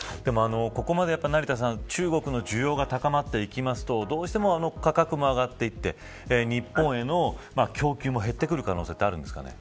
ここまで中国の需要が高まっていくとどうしても価格も上がっていって日本への供給も減ってくる可能性があるんですかね。